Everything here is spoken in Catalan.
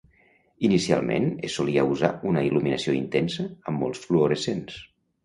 Inicialment es solia usar una il·luminació intensa amb molts fluorescents.